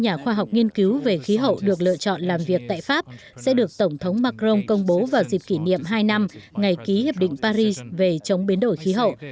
các nhà khoa học nghiên cứu về khí hậu được lựa chọn làm việc tại pháp sẽ được tổng thống macron công bố vào dịp kỷ niệm hai năm ngày ký hiệp định paris về chống biến đổi khí hậu